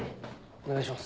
お願いします。